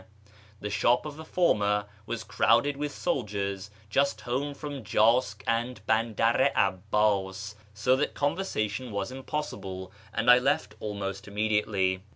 The shop of the former was crowded with soldiers just home from Jask and Bandar i ' Abbas, so that conversation was impossible, and I left almost immediately.